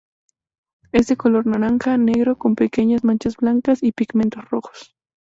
Es de color naranja, negro con pequeñas manchas blancas y pigmentos rojos.